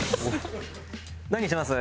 何にします？